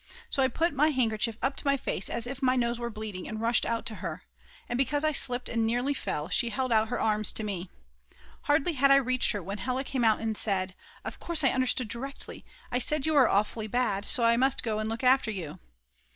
So I put my handkerchief up to my face as if my nose were bleeding, and rushed out to her. And because I slipped and nearly fell, she held out her arms to me. Hardly had I reached her, when Hella came out and said: "Of course I understood directly; I said you were awfully bad, so I must go and look after you."